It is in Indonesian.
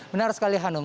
benar sekali hanum